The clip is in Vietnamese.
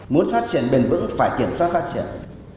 muốn phát triển bền vững phải kiểm soát phát triển